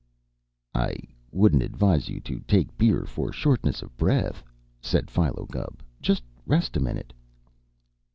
"I wouldn't advise you to take beer for shortness of the breath," said Philo Gubb. "Just rest a minute."